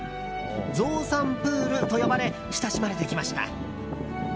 ゾウさんプールと呼ばれ親しまれてきました。